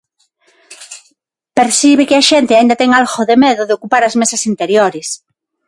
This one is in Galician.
Percibe que a xente aínda ten algo de medo de ocupar as mesas interiores.